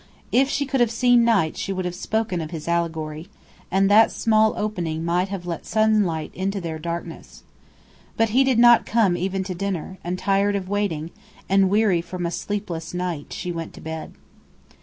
If she could have seen Knight she would have spoken of his allegory; and that small opening might have let sunlight into their darkness. But he did not come even to dinner; and tired of waiting, and weary from a sleepless night, she went to bed.